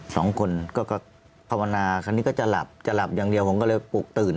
สองคนก็ภาวนาคราวนี้ก็จะหลับจะหลับอย่างเดียวผมก็เลยปลุกตื่น